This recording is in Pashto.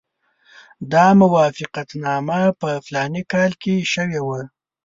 دا موافقتنامه په فلاني کال کې شوې وه.